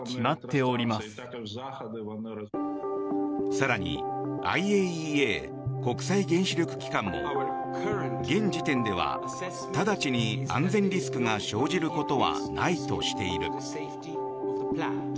更にＩＡＥＡ・国際原子力機関も現時点では直ちに安全リスクが生じることはないとしている。